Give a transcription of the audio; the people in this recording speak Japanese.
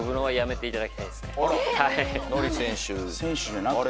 選手じゃなくて。